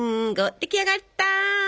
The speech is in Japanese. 出来上がった！